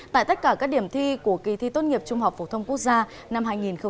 tại tất cả các điểm thi của kỳ thi tốt nghiệp trung học phổ thông quốc gia năm hai nghìn hai mươi